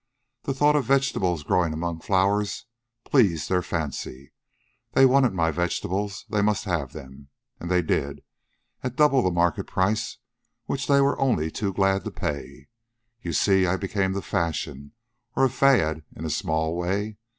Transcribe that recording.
The thought of vegetables growing among flowers pleased their fancy. They wanted my vegetables. They must have them. And they did, at double the market price, which they were only too glad to pay. You see, I became the fashion, or a fad, in a small way.